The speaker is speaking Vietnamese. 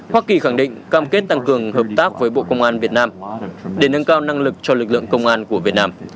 hoa kỳ khẳng định cam kết tăng cường hợp tác với bộ công an việt nam để nâng cao năng lực cho lực lượng công an của việt nam